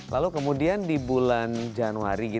lalu kemudian di bulan januari